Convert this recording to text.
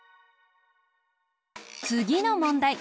つぎのもんだい！